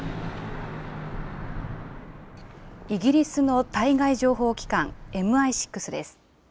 イギリスの対外情報機関、ＭＩ６です。